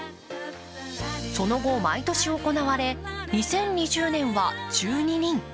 その後毎年行われ２０２０年は１２人。